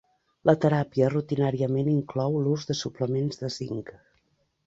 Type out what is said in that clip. La teràpia rutinàriament inclou l'ús de suplements de zinc.